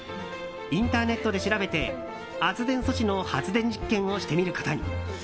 インターネットで調べて圧電素子の発電実験をしてみることに。